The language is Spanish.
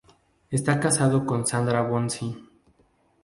Está casado con Sandra Bonzi.